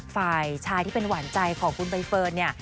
ฝ่ายชายที่เป็นหวานใจของคุณใบเฟิร์นเนี่ย